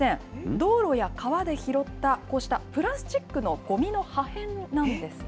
道路や川で拾ったこうしたプラスチックのごみの破片なんですね。